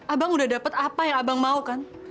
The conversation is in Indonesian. abang udah dapat apa yang abang mau kan